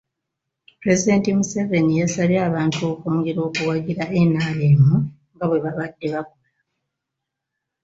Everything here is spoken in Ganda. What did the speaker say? Pulezidenti Museveni yasabye abantu okwongera okuwagira NRM nga bwe babadde bakola.